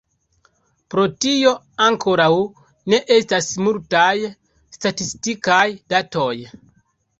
Pro tio ankoraŭ ne estas multaj statistikaj datoj.